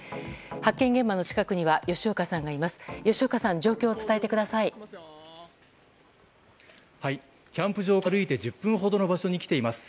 発見現場の近くには吉岡さんがいます。